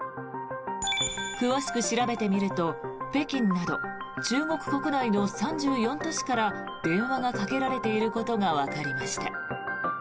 詳しく調べてみると北京など中国国内の３４都市から電話がかけられていることがわかりました。